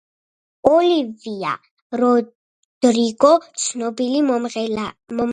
ოლივია როდრიგო ცნობილი მომღერალია.